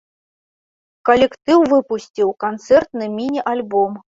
Калектыў выпусціў канцэртны міні-альбом.